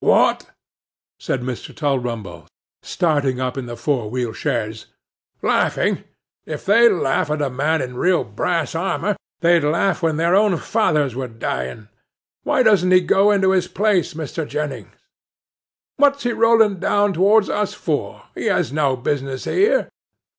'What!' said Mr. Tulrumble, starting up in the four wheel chaise. 'Laughing? If they laugh at a man in real brass armour, they'd laugh when their own fathers were dying. Why doesn't he go into his place, Mr. Jennings? What's he rolling down towards us for? he has no business here!